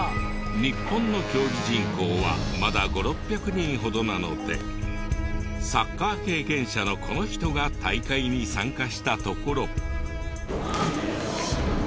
日本の競技人口はまだ５００６００人ほどなのでサッカー経験者のこの人が大会に参加したところ。